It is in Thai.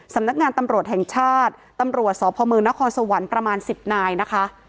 สำนักงานตำรวจแห่งชาติตำรวจสพมนครสวรรค์ประมาณ๑๐นายนะคะ